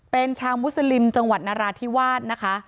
เป็นชาวมุสลิมจังหวัดนราธิวาสนะคะ